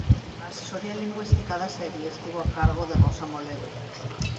A asesoría lingüística da serie estivo a cargo de Rosa Moledo.